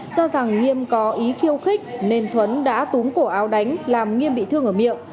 cho rằng nghiêm có ý khiêu khích nên thuấn đã túm cổ áo đánh làm nghiêm bị thương ở miệng